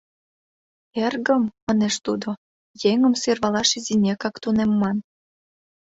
«Эргым, — манеш тудо, — еҥым сӧрвалаш изинекак тунемман.